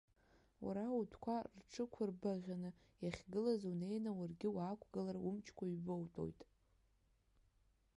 Уара утәқәа рҽықәырбаӷьаны иахьгылаз унеины уаргьы уаақәгылар, умчқәа ҩбоутәуеит.